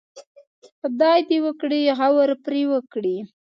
خدای دې وکړي غور پرې وکړي.